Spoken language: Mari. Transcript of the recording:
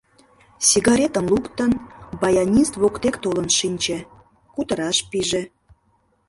Сигаретым луктын, баянист воктек толын шинче, кутыраш пиже.